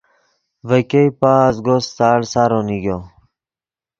ڤے ګئے پازگو ستاڑ سارو نیگو۔